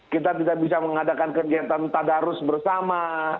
kita tidak bisa mengadakan kegiatan tadarus bersama